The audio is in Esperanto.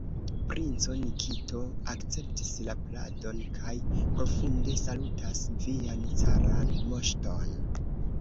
Princo Nikito akceptis la pladon kaj profunde salutas vian caran moŝton!